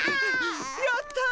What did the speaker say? やった！